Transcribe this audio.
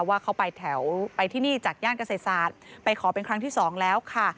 ว่าเขาไปแถวไปที่นี่จากย่านเกษตรศาสตร์ไปขอเป็นครั้งที่สองแล้วค่ะ